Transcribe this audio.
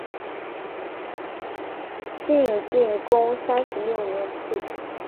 晋定公三十六年卒。